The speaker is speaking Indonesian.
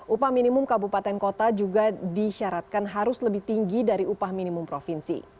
upah minimum kabupaten kota juga disyaratkan harus lebih tinggi dari upah minimum provinsi